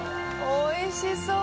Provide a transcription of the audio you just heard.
おいしそう！